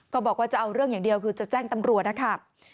บอกว่าจะเอาเรื่องอย่างเดียวคือจะแจ้งตำรวจนะคะ